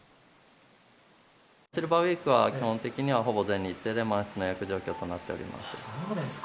シルバーウイークは基本的には、ほぼ全日程で満室の予約状況となっております。